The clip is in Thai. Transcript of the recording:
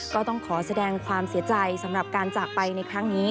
ก็ต้องขอแสดงความเสียใจสำหรับการจากไปในครั้งนี้